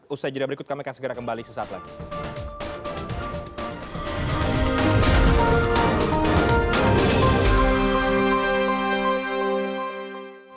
ustaz jeddah berikut kami akan segera kembali sesaat lagi